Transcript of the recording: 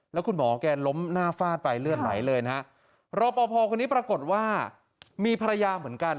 แล้วคุณหมอแกล้มหน้าฟาดไปเลือดไหลเลยนะฮะรอปภคนนี้ปรากฏว่ามีภรรยาเหมือนกัน